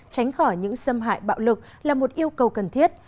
tránh khỏi những xâm hại bạo lực là một yêu cầu cần thiết